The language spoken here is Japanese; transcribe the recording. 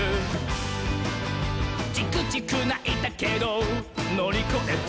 「チクチクないたけどのりこえて」